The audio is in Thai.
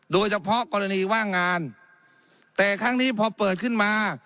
โดยเฉพาะกรณีว่างงานแต่ครั้งนี้พอเปิดขึ้นมา